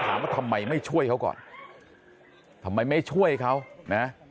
หรือก็ถามว่าทำไมไม่ช่วยเขาก่อน